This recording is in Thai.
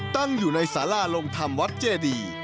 ตั้งอยู่ในสาราลงธรรมวัดเจดี